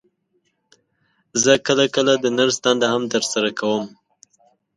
زه کله کله د نرس دنده هم تر سره کوم.